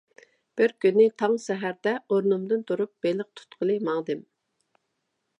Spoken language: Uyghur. بىر كۈنى تاڭ سەھەردە ئورنۇمدىن تۇرۇپ بېلىق تۇتقىلى ماڭدىم.